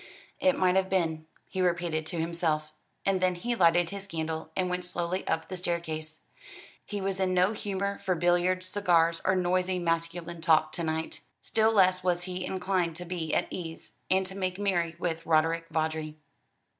"It might have been," he repeated to himself: and then he lighted his candle and went slowly up the staircase. He was in no humour for billiards, cigars, or noisy masculine talk to night. Still less was he inclined to be at ease and to make merry with Roderick Vawdrey.